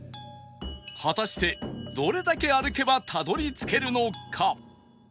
果たしてどれだけ歩けばたどり着けるのか？